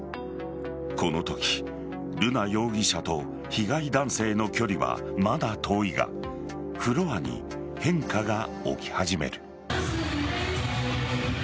このとき瑠奈容疑者と被害男性の距離はまだ遠いがフロアに変化が起き始める。